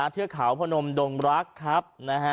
เที่ยวขาวพนมดงรักษ์ครับนะฮะ